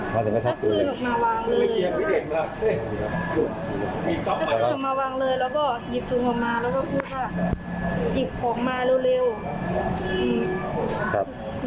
และทีนี้ก็ไม่กล้าหยิบกัน